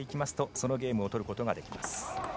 そのゲームをとることができます。